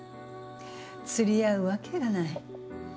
釣り合うわけがない。